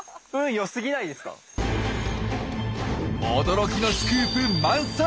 驚きのスクープ満載！